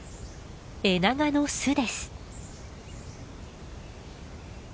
エナガの巣です。